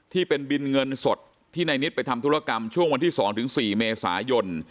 ที่เป็นบินเงินสดที่นายนิดไปทำธุรกรรมช่วงวันที่๒๔เมษายน